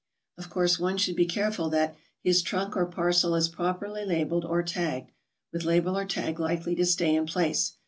Of course one should be careful that his trunk or parcel is properly labelled or tagged, with label or tag likely to stay in place.